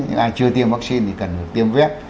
những ai chưa tiêm vắc xin thì cần được tiêm vép